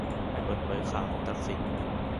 ไม่เปิดเผยข่าวของทักษิณ